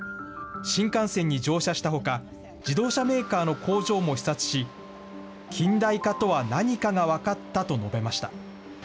新幹線に乗車したほか、自動車メーカーの工場も視察し、近代化とは何かが分かったと述べました。